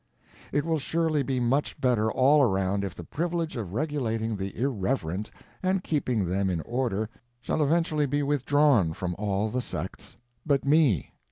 It will surely be much better all around if the privilege of regulating the irreverent and keeping them in order shall eventually be withdrawn from all the sects but me.